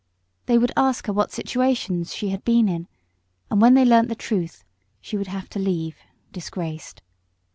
They would ask her what situations she had been in, and when they learned the truth she would have to leave disgraced.